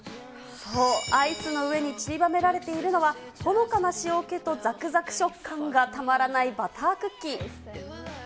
そう、アイスの上にちりばめられているのは、ほのかな塩けとざくざく食感がたまらないバタークッキー。